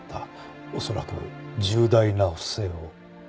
恐らく重大な不正を。